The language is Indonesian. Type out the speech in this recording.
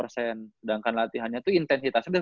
sedangkan latihannya tuh intensitasnya